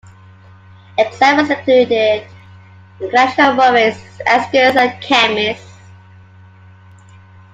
Examples include glacial moraines, eskers, and kames.